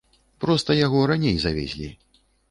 Проста яго раней завезлі.